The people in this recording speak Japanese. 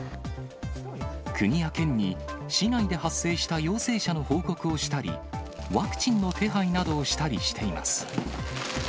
国や県に市内で発生した陽性者の報告をしたり、ワクチンの手配などをしたりしています。